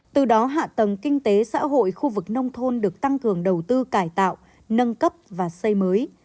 từ đó hạ tầng kinh tế xã hội khu vực nông thôn được tăng cường đầu tư cải tạo nâng cấp và xây mới